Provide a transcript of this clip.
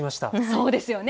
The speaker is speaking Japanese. そうですよね。